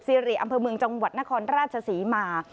สิริอำเภอเมืองจังหวัดนครราชศรีมา